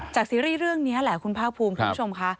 ซีรีส์เรื่องนี้แหละคุณภาคภูมิคุณผู้ชมค่ะ